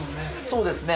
そうですね。